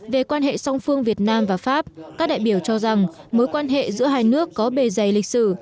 về quan hệ song phương việt nam và pháp các đại biểu cho rằng mối quan hệ giữa hai nước có bề dày lịch sử